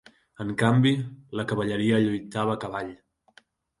En canvi, la cavalleria lluitava a cavall.